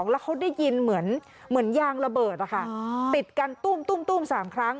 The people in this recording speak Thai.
แล้วเขาได้ยินเหมือนยางระเบิดติดกันตุ้ม๓ครั้ง